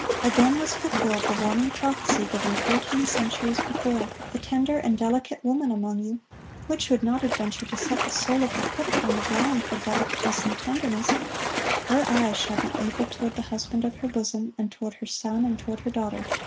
(43) Again was fulfilled the warning prophecy given fourteen centuries before: "The tender and delicate woman among you, which would not adventure to set the sole of her foot upon the ground for delicateness and tenderness, her eye shall be evil toward the husband of her bosom, and toward her son, and toward her daughter